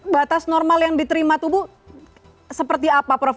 batas normal yang diterima tubuh seperti apa prof